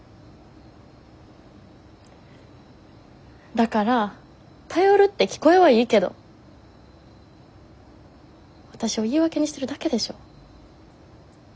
だから頼るって聞こえはいいけどわたしを言い訳にしてるだけでしょ。